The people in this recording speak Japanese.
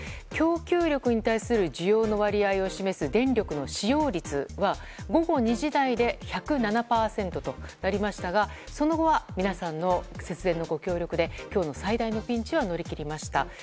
供給力に対する需要の割合を示す電力の使用率は、午後２時台で１０７％となりましたがその後は皆さんの節電のご協力で今日の最大のピンチは乗り切りました。